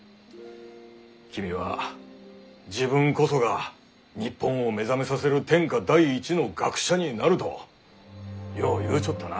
君は「自分こそが日本を目覚めさせる天下第一の学者になる」とよう言うちょったな。